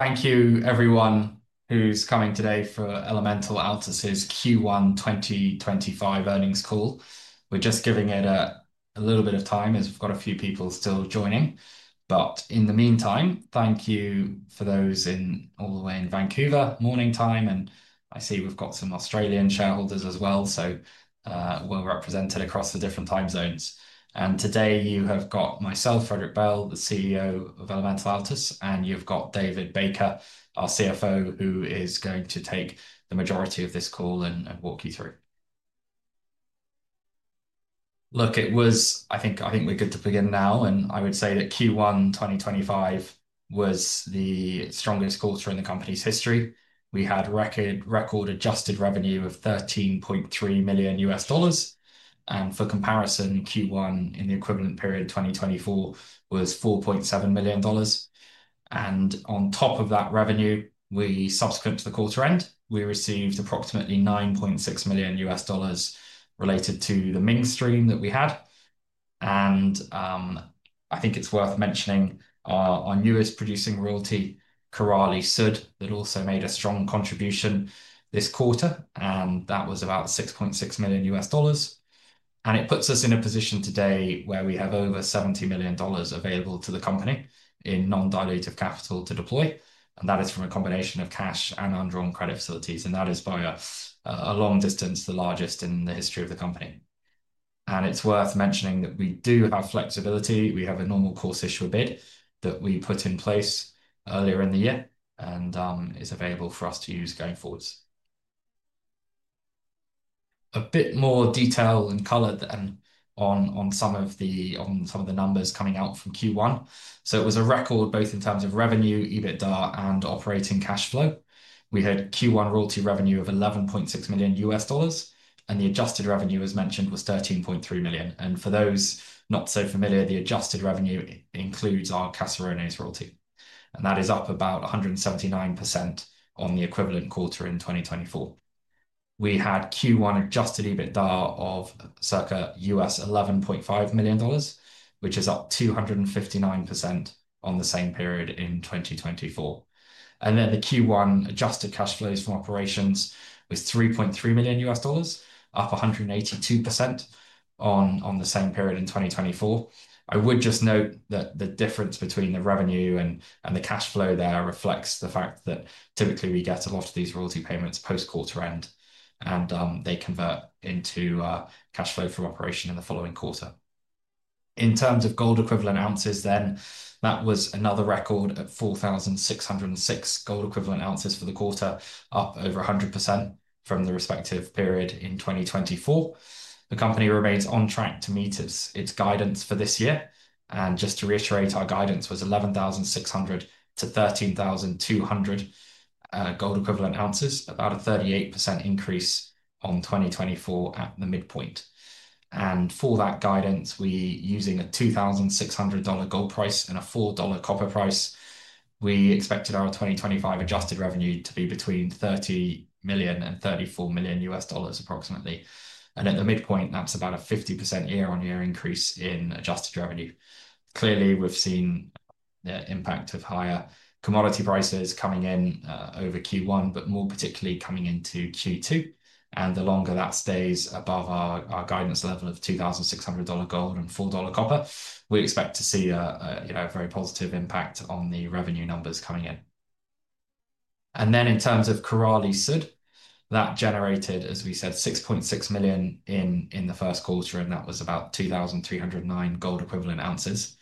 Thank you, everyone, who's coming today for Elemental Altus's Q1 2025 earnings call. We're just giving it a little bit of time as we've got a few people still joining. In the meantime, thank you for those all the way in Vancouver, morning time, and I see we've got some Australian shareholders as well, so we're represented across the different time zones. Today you have got myself, Frederick Bell, the CEO of Elemental Altus, and you've got David Baker, our CFO, who is going to take the majority of this call and walk you through. Look, it was, I think we're good to begin now, and I would say that Q1 2025 was the strongest quarter in the company's history. We had record-adjusted revenue of $13.3 million. For comparison, Q1 in the equivalent period 2024 was $4.7 million. On top of that revenue, subsequent to the quarter end, we received approximately $9.6 million related to the Ming stream that we had. I think it's worth mentioning our newest producing royalty, Korali-Sud, that also made a strong contribution this quarter, and that was about $6.6 million. It puts us in a position today where we have over $70 million available to the company in non-dilutive capital to deploy. That is from a combination of cash and undrawn credit facilities, and that is by a long distance the largest in the history of the company. It's worth mentioning that we do have flexibility. We have a normal course issue bid that we put in place earlier in the year and is available for us to use going forwards. A bit more detail and color on some of the numbers coming out from Q1. It was a record both in terms of revenue, EBITDA, and operating cash flow. We had Q1 royalty revenue of $11.6 million, and the adjusted revenue, as mentioned, was $13.3 million. For those not so familiar, the adjusted revenue includes our Caserones royalty. That is up about 179% on the equivalent quarter in 2024. We had Q1 adjusted EBITDA of circa $11.5 million, which is up 259% on the same period in 2024. The Q1 adjusted cash flows from operations was $3.3 million, up 182% on the same period in 2024. I would just note that the difference between the revenue and the cash flow there reflects the fact that typically we get a lot of these royalty payments post-quarter end, and they convert into cash flow from operation in the following quarter. In terms of gold equivalent oz, then that was another record at 4,606 gold equivalent oz for the quarter, up over 100% from the respective period in 2024. The company remains on track to meet its guidance for this year. Just to reiterate, our guidance was 11,600-13,200 gold equivalent oz, about a 38% increase on 2024 at the midpoint. For that guidance, we're using a $2,600 gold price and a $4 copper price. We expected our 2025 adjusted revenue to be between $30 million and $34 million approximately. At the midpoint, that's about a 50% year-on-year increase in adjusted revenue. Clearly, we've seen the impact of higher commodity prices coming in over Q1, but more particularly coming into Q2. The longer that stays above our guidance level of $2,600 gold and $4 copper, we expect to see a very positive impact on the revenue numbers coming in. In terms of Korali-Sud, that generated, as we said, $6.6 million in the first quarter, and that was about 2,309 gold equivalent oz. I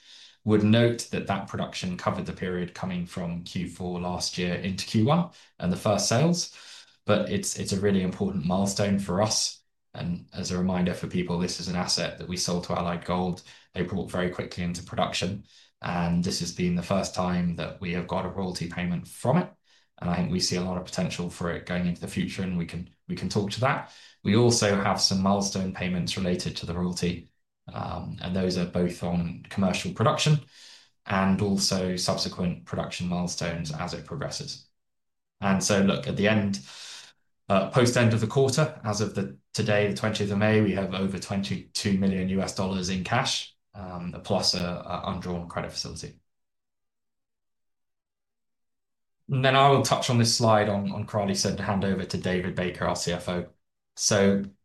would note that that production covered the period coming from Q4 last year into Q1 and the first sales. It is a really important milestone for us. As a reminder for people, this is an asset that we sold to Allied Gold. They brought it very quickly into production. This has been the first time that we have got a royalty payment from it. I think we see a lot of potential for it going into the future, and we can talk to that. We also have some milestone payments related to the royalty. Those are both on commercial production and also subsequent production milestones as it progresses. Look, at the end, post-end of the quarter, as of today, the 20th of May, we have over $22 million in cash, plus an undrawn credit facility. I will touch on this slide on Korali-Sud to hand over to David Baker, our CFO.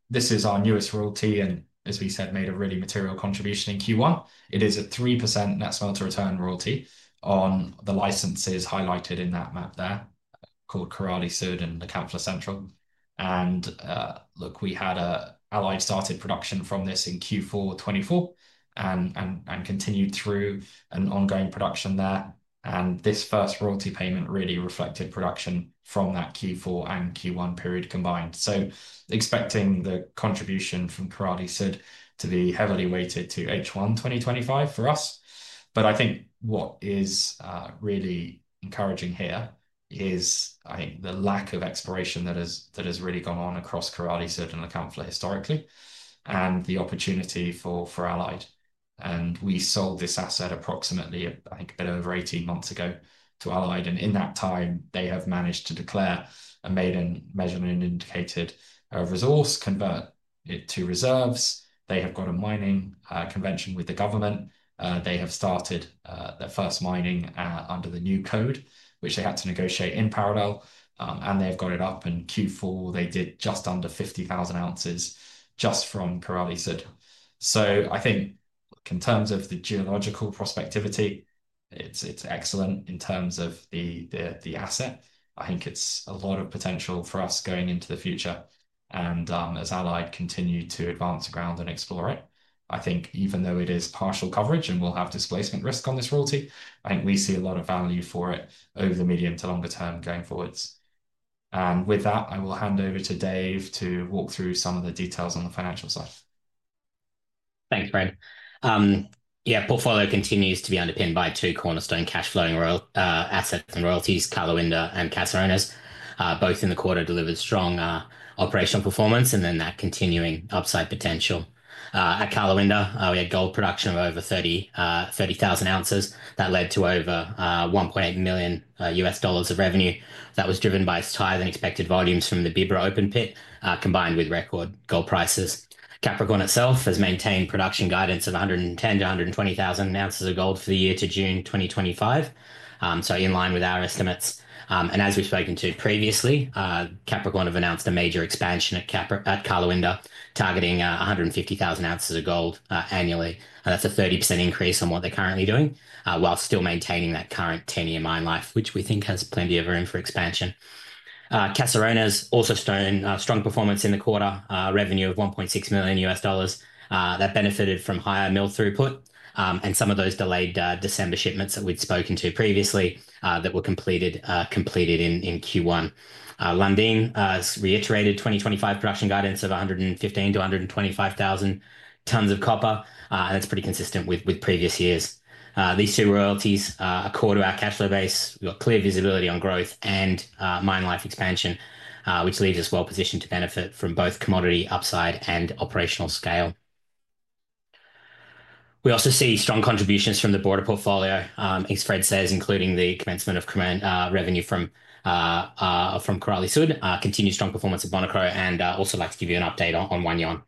This is our newest royalty and, as we said, made a really material contribution in Q1. It is a 3% net smelter return royalty on the licenses highlighted in that map there called Korali-Sud and the Lankanfla Central. Look, we had Allied start production from this in Q4 2024 and continued through ongoing production there. This first royalty payment really reflected production from that Q4 and Q1 period combined. Expecting the contribution from Korali-Sud to be heavily weighted to H1 2025 for us. What is really encouraging here is, I think, the lack of exploration that has really gone on across Korali-Sud and the Lankanfla historically, and the opportunity for Allied. We sold this asset approximately, I think, a bit over 18 months ago to Allied. In that time, they have managed to declare a maiden measured and indicated resource, convert it to reserves. They have got a mining convention with the government. They have started their first mining under the new code, which they had to negotiate in parallel. They have got it up in Q4. They did just under 50,000 oz just from Korali-Sud. I think in terms of the geological prospectivity, it's excellent in terms of the asset. I think it's a lot of potential for us going into the future. As Allied continue to advance the ground and explore it, I think even though it is partial coverage and we'll have displacement risk on this royalty, I think we see a lot of value for it over the medium to longer term going forwards. With that, I will hand over to Dave to walk through some of the details on the financial side. Thanks, Fred. Yeah, portfolio continues to be underpinned by two cornerstone cash flowing assets and royalties, Karlawinda and Caserones. Both in the quarter delivered strong operational performance and then that continuing upside potential. At Karlawinda, we had gold production of over 30,000 oz. That led to over $1.8 million of revenue. That was driven by its higher-than-expected volumes from the Bibra open pit, combined with record gold prices. Capricorn itself has maintained production guidance of 110,000-120,000 oz of gold for the year to June 2025. In line with our estimates. As we have spoken to previously, Capricorn have announced a major expansion at Karlawinda, targeting 150,000 ounces of gold annually. That is a 30% increase on what they are currently doing, while still maintaining that current 10-year mine life, which we think has plenty of room for expansion. Caserones also saw strong performance in the quarter, revenue of $1.6 million. That benefited from higher mill throughput and some of those delayed December shipments that we'd spoken to previously that were completed in Q1. Lundin has reiterated 2025 production guidance of 115,000-125,000 tons of copper. And that's pretty consistent with previous years. These two royalties are core to our cash flow base. We've got clear visibility on growth and mine life expansion, which leaves us well positioned to benefit from both commodity upside and operational scale. We also see strong contributions from the broader portfolio, as Fred says, including the commencement of revenue from Korali-Sud, continued strong performance of Bonikro, and also like to give you an update on Wahgnion.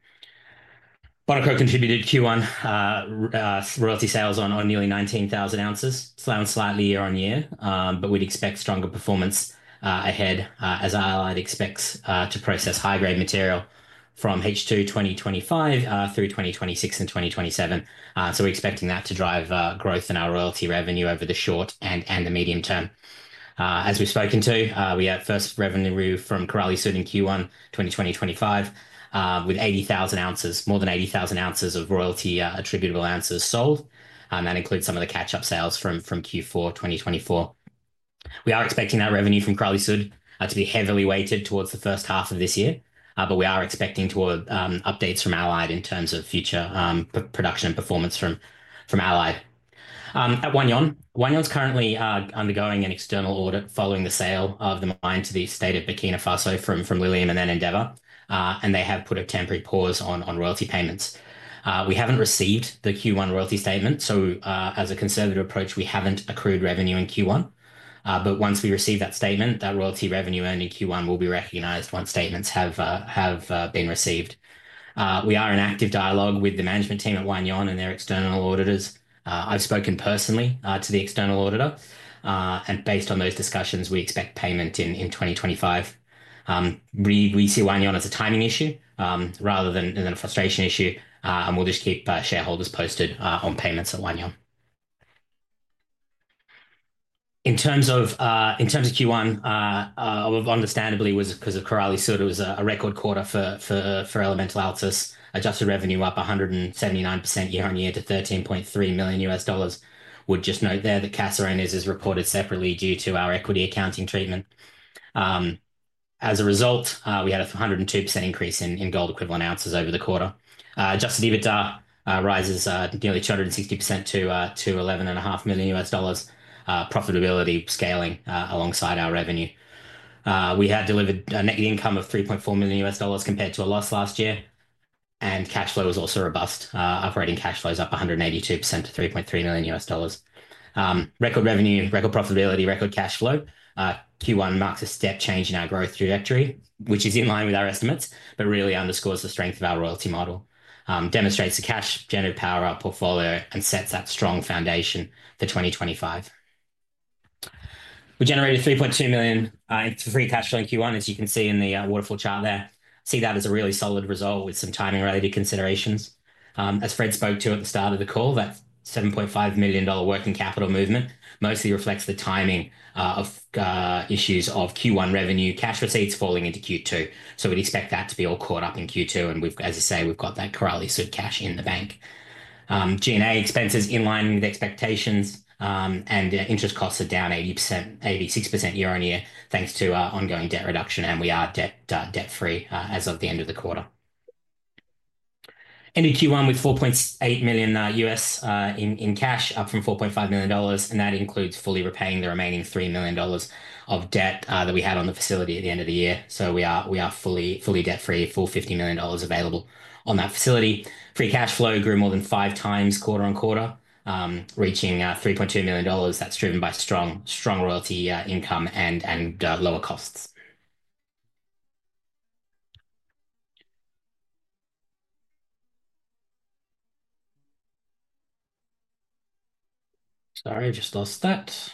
Bonikro contributed Q1 royalty sales on nearly 19,000 oz, slowing slightly year on year, but we'd expect stronger performance ahead as Allied expects to process high-grade material from H2 2025 through 2026 and 2027. We are expecting that to drive growth in our royalty revenue over the short and the medium term. As we've spoken to, we had first revenue from Korali-Sud in Q1 2025 with more than 80,000 royalty attributable oz sold. That includes some of the catch-up sales from Q4 2024. We are expecting that revenue from Korali-Sud to be heavily weighted towards the first half of this year, but we are expecting further updates from Allied in terms of future production and performance from Allied. At Wahgnion, Wahgnion's currently undergoing an external audit following the sale of the mine to the state of Burkina Faso from Lilium and then Endeavour, and they have put a temporary pause on royalty payments. We haven't received the Q1 royalty statement, so as a conservative approach, we haven't accrued revenue in Q1. Once we receive that statement, that royalty revenue earned in Q1 will be recognized once statements have been received. We are in active dialogue with the management team at Wahgnion and their external auditors. I've spoken personally to the external auditor, and based on those discussions, we expect payment in 2025. We see Wahgnion as a timing issue rather than a frustration issue, and we'll just keep shareholders posted on payments at Wahgnion. In terms of Q1, understandably, because of Korali-Sud, it was a record quarter for Elemental Altus. Adjusted revenue up 179% year-on-year to $13.3 million. Would just note there that Caserones is reported separately due to our equity accounting treatment. As a result, we had a 102% increase in gold equivalent ounces over the quarter. Adjusted EBITDA rises nearly 260% to $11.5 million profitability scaling alongside our revenue. We had delevered a net income of $3.4 million compared to a loss last year. Cash flow was also robust, operating cash flows up 182% to $3.3 million. Record revenue, record profitability, record cash flow. Q1 marks a step change in our growth trajectory, which is in line with our estimates, but really underscores the strength of our royalty model. Demonstrates the cash-generated power of our portfolio and sets that strong foundation for 2025. We generated $3.2 million in free cash flow in Q1, as you can see in the waterfall chart there. See that as a really solid result with some timing-related considerations. As Fred spoke to at the start of the call, that $7.5 million working capital movement mostly reflects the timing of issues of Q1 revenue cash receipts falling into Q2. We would expect that to be all caught up in Q2. As I say, we have got that Korali-Sud cash in the bank. G&A expenses in line with expectations, and interest costs are down 86% year-on-year thanks to our ongoing debt reduction, and we are debt-free as of the end of the quarter. Ended Q1 with $4.8 million U.S. in cash, up from $4.5 million. That includes fully repaying the remaining $3 million of debt that we had on the facility at the end of the year. We are fully debt-free, full $50 million available on that facility. Free cash flow grew more than five times quarter on quarter, reaching $3.2 million. That is driven by strong royalty income and lower costs. Sorry, I just lost that.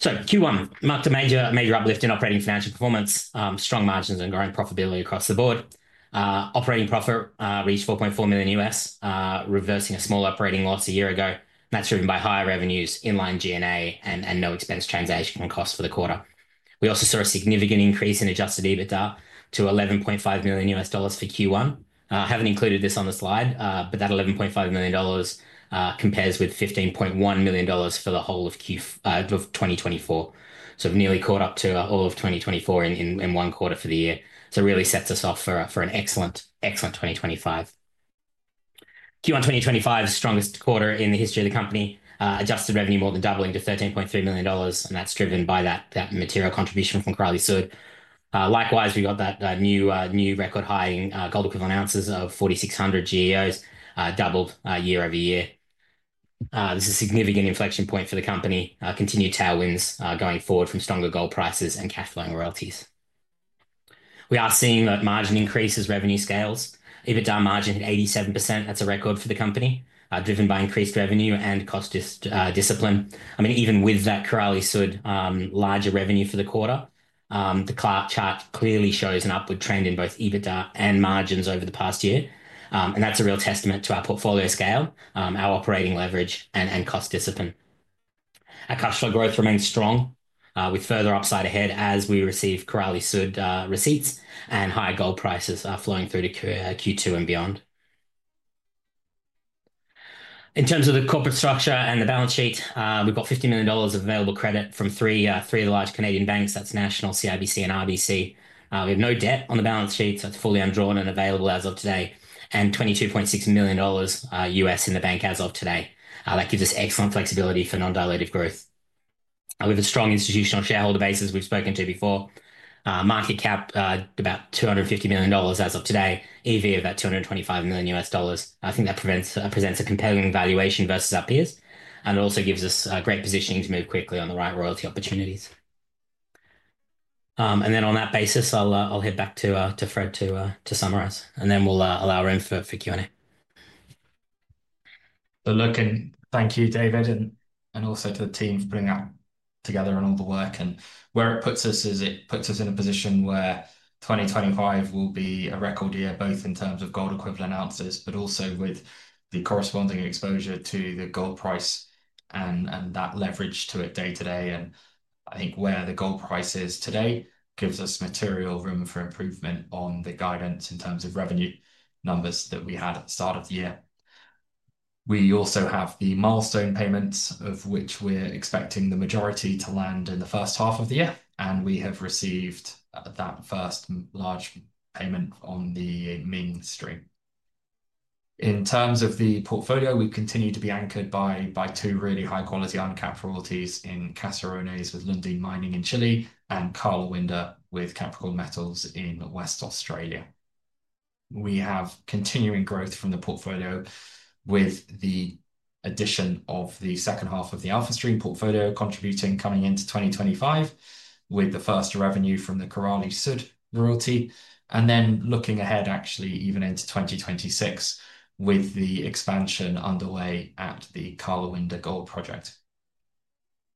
Q1 marked a major uplift in operating financial performance, strong margins, and growing profitability across the board. Operating profit reached $4.4 million U.S., reversing a small operating loss a year ago. That is driven by higher revenues, inline G&A, and no expense transaction cost for the quarter. We also saw a significant increase in adjusted EBITDA to $11.5 million U.S. for Q1. I have not included this on the slide, but that $11.5 million compares with $15.1 million for the whole of 2024. We have nearly caught up to all of 2024 in one quarter for the year. It really sets us off for an excellent 2025. Q1 2025 is the strongest quarter in the history of the company. Adjusted revenue more than doubling to $13.3 million. And that's driven by that material contribution from Korali-Sud. Likewise, we've got that new record-high gold equivalent ounces of 4,600 GEOs, doubled year-over-year. This is a significant inflection point for the company. Continued tailwinds going forward from stronger gold prices and cash-flowing royalties. We are seeing that margin increase as revenue scales. EBITDA margin at 87%. That's a record for the company, driven by increased revenue and cost discipline. I mean, even with that Korali-Sud larger revenue for the quarter, the chart clearly shows an upward trend in both EBITDA and margins over the past year. And that's a real testament to our portfolio scale, our operating leverage, and cost discipline. Our cash flow growth remains strong, with further upside ahead as we receive Korali-Sud receipts and high gold prices flowing through to Q2 and beyond. In terms of the corporate structure and the balance sheet, we've got $50 million of available credit from three of the large Canadian banks. That's National, CIBC, and RBC. We have no debt on the balance sheet, so it's fully undrawn and available as of today. $22.6 million U.S. in the bank as of today. That gives us excellent flexibility for non-diluted growth. We have a strong institutional shareholder base as we've spoken to before. Market cap about $250 million as of today, EV of about $225 million. I think that presents a compelling valuation versus our peers. It also gives us great positioning to move quickly on the right royalty opportunities. On that basis, I'll head back to Fred to summarize. Then we'll allow room for Q&A. Look, and thank you, David, and also to the team for putting that together and all the work. Where it puts us is it puts us in a position where 2025 will be a record year, both in terms of gold equivalent ounces, but also with the corresponding exposure to the gold price and that leverage to it day to day. I think where the gold price is today gives us material room for improvement on the guidance in terms of revenue numbers that we had at the start of the year. We also have the milestone payments of which we're expecting the majority to land in the first half of the year. We have received that first large payment on the main stream. In terms of the portfolio, we continue to be anchored by two really high-quality uncapped royalties in Caserones with Lundin Mining in Chile and Karlawinda with Capricorn Metals in Western Australia. We have continuing growth from the portfolio with the addition of the second half of the AlphaStream portfolio contributing coming into 2025 with the first revenue from the Korali-Sud royalty. Looking ahead, actually even into 2026 with the expansion underway at the Karlawinda Gold Project.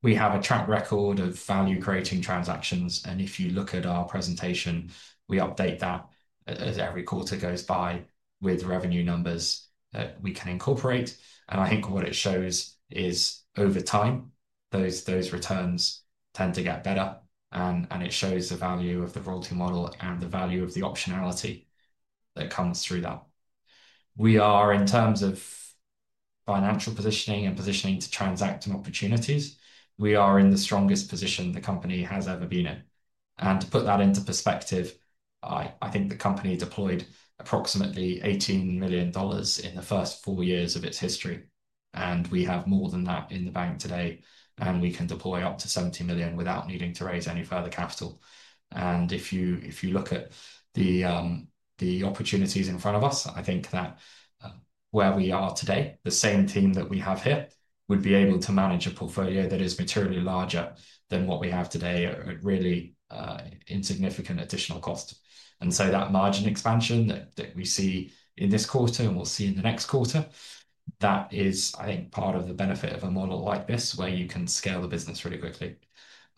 We have a track record of value-creating transactions. If you look at our presentation, we update that as every quarter goes by with revenue numbers that we can incorporate. I think what it shows is over time, those returns tend to get better. It shows the value of the royalty model and the value of the optionality that comes through that. We are, in terms of financial positioning and positioning to transact and opportunities, we are in the strongest position the company has ever been in. To put that into perspective, I think the company deployed approximately $18 million in the first four years of its history. We have more than that in the bank today. We can deploy up to $70 million without needing to raise any further capital. If you look at the opportunities in front of us, I think that where we are today, the same team that we have here would be able to manage a portfolio that is materially larger than what we have today at really insignificant additional cost. That margin expansion that we see in this quarter and we'll see in the next quarter, that is, I think, part of the benefit of a model like this where you can scale the business really quickly.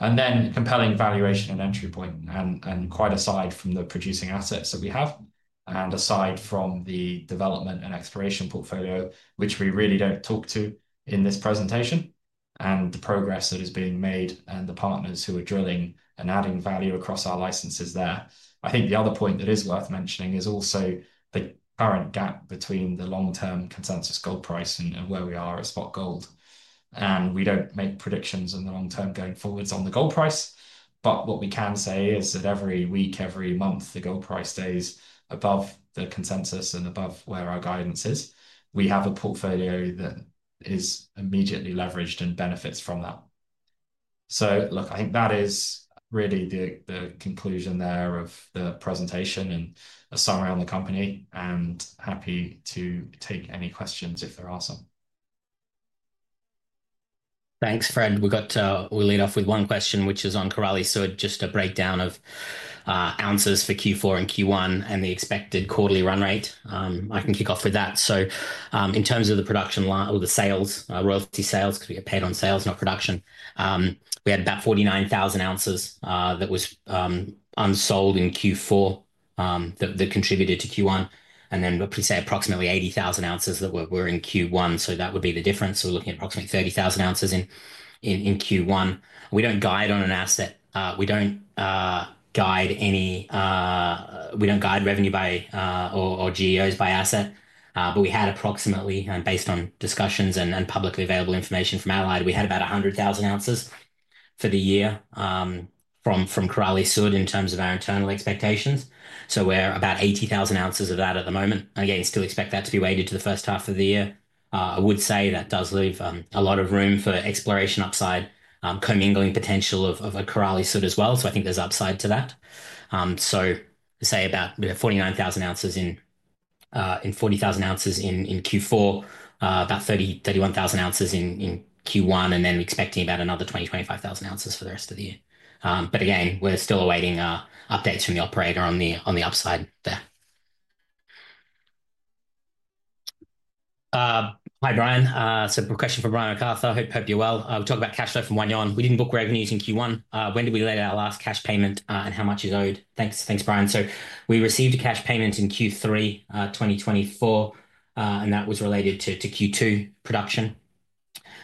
There is compelling valuation and entry point and quite aside from the producing assets that we have and aside from the development and exploration portfolio, which we really do not talk to in this presentation, and the progress that is being made and the partners who are drilling and adding value across our licenses there. I think the other point that is worth mentioning is also the current gap between the long-term consensus gold price and where we are at spot gold. We do not make predictions in the long term going forwards on the gold price. What we can say is that every week, every month, the gold price stays above the consensus and above where our guidance is. We have a portfolio that is immediately leveraged and benefits from that. I think that is really the conclusion there of the presentation and a summary on the company. Happy to take any questions if there are some. Thanks, Fred. We'll lead off with one question, which is on Korali-Sud, just a breakdown of ounces for Q4 and Q1 and the expected quarterly run rate. I can kick off with that. In terms of the production or the sales, royalty sales could be paid on sales, not production. We had about 49,000 oz that was unsold in Q4 that contributed to Q1. We say approximately 80,000 oz that were in Q1. That would be the difference. We're looking at approximately 30,000 ounces in Q1. We don't guide on an asset. We don't guide any revenue by or GEOs by asset. We had approximately, and based on discussions and publicly available information from Allied, we had about 100,000 oz for the year from Korali-Sud in terms of our internal expectations. We're about 80,000 oz of that at the moment. Again, still expect that to be weighted to the first half of the year. I would say that does leave a lot of room for exploration upside, comingling potential of Korali-Sud as well. I think there is upside to that. Say about 49,000 oz and 40,000 oz in Q4, about 31,000 oz in Q1, and then expecting about another 20,000-25,000 oz for the rest of the year. We are still awaiting updates from the operator on the upside there. Hi, Brian. Question for Brian McArthur. Hope you are well. We will talk about cash flow from Wahgnion. We did not book revenues in Q1. When did we lay out our last cash payment and how much is owed? Thanks, Brian. We received a cash payment in Q3 2024, and that was related to Q2 production.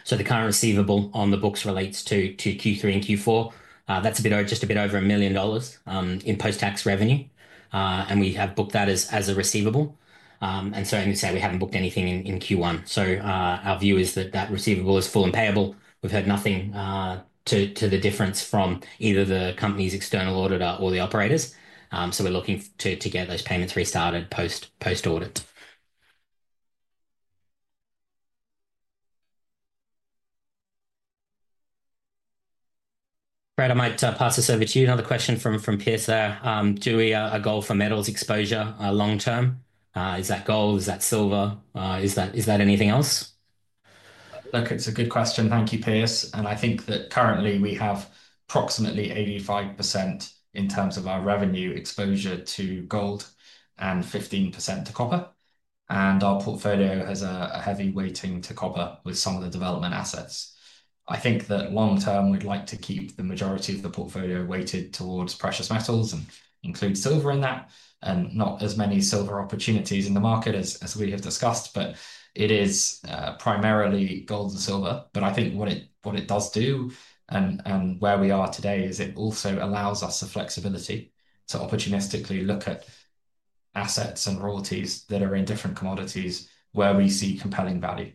The current receivable on the books relates to Q3 and Q4. That is just a bit over $1 million in post-tax revenue. We have booked that as a receivable. We have not booked anything in Q1. Our view is that that receivable is full and payable. We have heard nothing to the difference from either the company's external auditor or the operators. We are looking to get those payments restarted post-audit. Fred, I might pass this over to you. Another question from Pierce there. Do we have a goal for metals exposure long term? Is that gold? Is that silver? Is that anything else? Look, it's a good question. Thank you, Pierce. I think that currently we have approximately 85% in terms of our revenue exposure to gold and 15% to copper. Our portfolio has a heavy weighting to copper with some of the development assets. I think that long term, we'd like to keep the majority of the portfolio weighted towards precious metals and include silver in that. There are not as many silver opportunities in the market as we have discussed. It is primarily gold and silver. I think what it does do and where we are today is it also allows us the flexibility to opportunistically look at assets and royalties that are in different commodities where we see compelling value.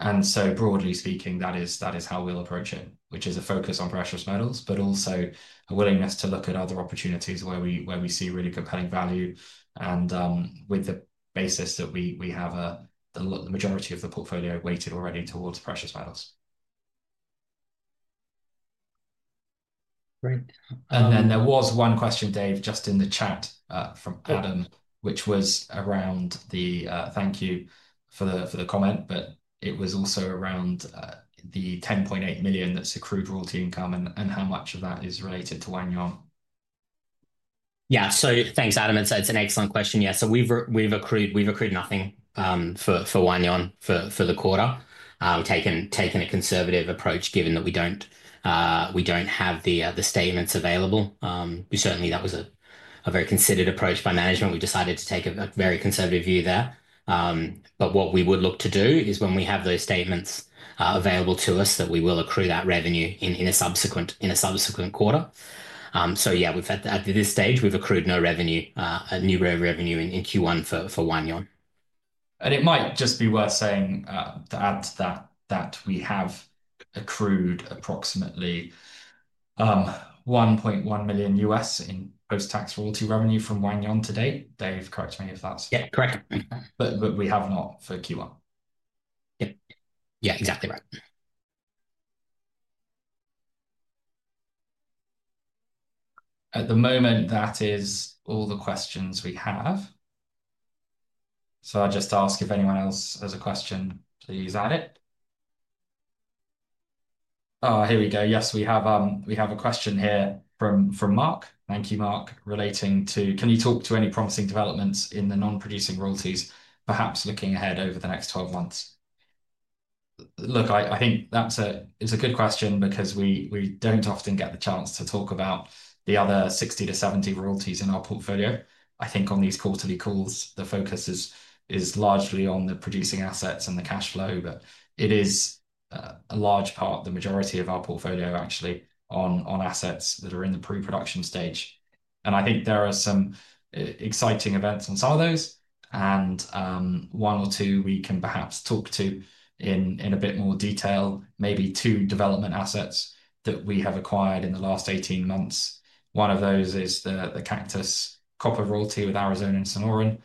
Broadly speaking, that is how we'll approach it, which is a focus on precious metals, but also a willingness to look at other opportunities where we see really compelling value and with the basis that we have the majority of the portfolio weighted already towards precious metals. Great. There was one question, Dave, just in the chat from Adam, which was around the thank you for the comment, but it was also around the $10.8 million that's accrued royalty income and how much of that is related to Wahgnion. Yeah, thanks, Adam. It's an excellent question. We've accrued nothing for Wahgnion for the quarter, taking a conservative approach given that we don't have the statements available. Certainly, that was a very considered approach by management. We decided to take a very conservative view there. What we would look to do is when we have those statements available to us, we will accrue that revenue in a subsequent quarter. At this stage, we've accrued no revenue in Q1 for Wahgnion. It might just be worth saying to add to that that we have accrued approximately $1.1 million in post-tax royalty revenue from Wahgnion to date. Dave, correct me if that's. Yeah, correct. We have not for Q1. Yeah, exactly right. At the moment, that is all the questions we have. I'll just ask if anyone else has a question, please add it. Oh, here we go. Yes, we have a question here from Mark. Thank you, Mark, relating to, can you talk to any promising developments in the non-producing royalties, perhaps looking ahead over the next 12 months? Look, I think that's a good question because we do not often get the chance to talk about the other 60-70 royalties in our portfolio. I think on these quarterly calls, the focus is largely on the producing assets and the cash flow, but it is a large part, the majority of our portfolio actually on assets that are in the pre-production stage. I think there are some exciting events on some of those. One or two we can perhaps talk to in a bit more detail, maybe two development assets that we have acquired in the last 18 months. One of those is the Cactus Copper Royalty with Arizona Sonoran.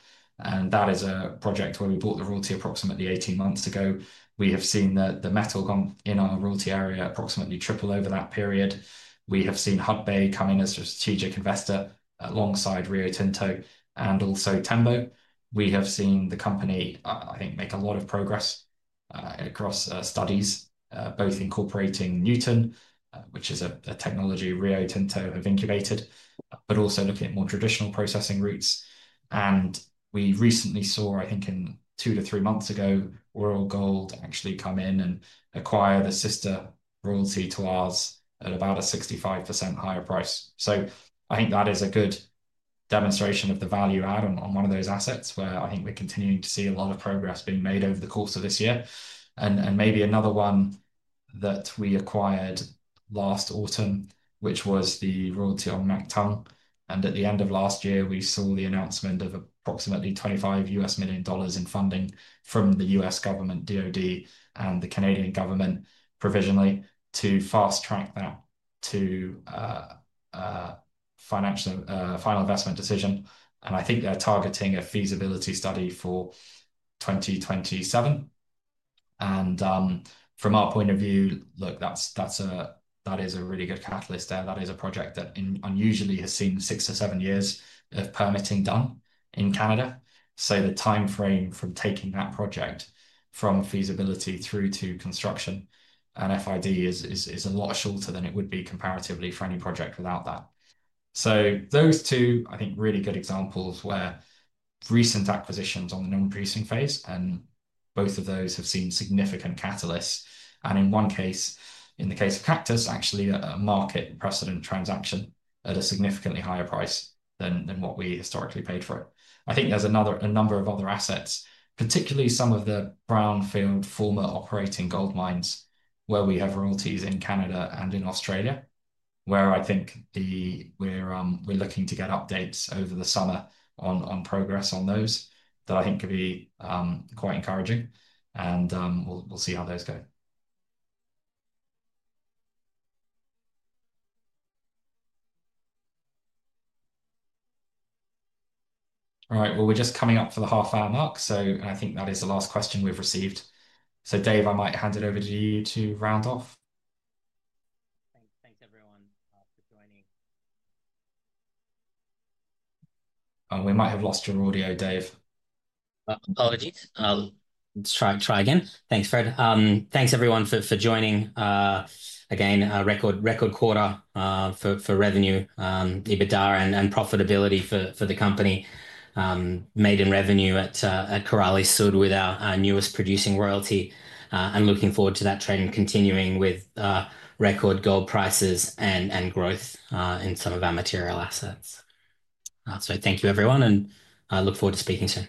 That is a project where we bought the royalty approximately 18 months ago. We have seen the metal gone in our royalty area approximately triple over that period. We have seen Hut 8 come in as a strategic investor alongside Rio Tinto and also Tembo. We have seen the company, I think, make a lot of progress across studies, both incorporating Nuton, which is a technology Rio Tinto have incubated, but also looking at more traditional processing routes. We recently saw, I think two to three months ago, Royal Gold actually come in and acquire the sister royalty to ours at about a 65% higher price. I think that is a good demonstration of the value add on one of those assets where I think we're continuing to see a lot of progress being made over the course of this year. Maybe another one that we acquired last autumn, which was the royalty on Mactung. At the end of last year, we saw the announcement of approximately $25 million in funding from the U.S. government, DoD, and the Canadian government provisionally to fast track that to a final investment decision. I think they're targeting a feasibility study for 2027. From our point of view, look, that is a really good catalyst there. That is a project that unusually has seen six to seven years of permitting done in Canada. The timeframe from taking that project from feasibility through to construction and FID is a lot shorter than it would be comparatively for any project without that. Those two, I think, are really good examples where recent acquisitions on the non-producing phase, and both of those have seen significant catalysts. In one case, in the case of Cactus, actually a market precedent transaction at a significantly higher price than what we historically paid for it. I think there are a number of other assets, particularly some of the brownfield former operating gold mines where we have royalties in Canada and in Australia, where I think we are looking to get updates over the summer on progress on those that I think could be quite encouraging. We will see how those go. All right, we are just coming up for the half-hour mark. I think that is the last question we've received. Dave, I might hand it over to you to round off. Thanks, everyone, for joining. We might have lost your audio, Dave. Apologies. I'll try again. Thanks, Fred. Thanks, everyone, for joining. Again, record quarter for revenue, EBITDA, and profitability for the company. Made in revenue at Korali-Sud with our newest producing royalty. Looking forward to that trend continuing with record gold prices and growth in some of our material assets. Thank you, everyone, and I look forward to speaking soon.